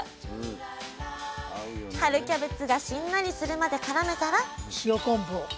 春キャベツがしんなりするまでからめたら塩昆布を。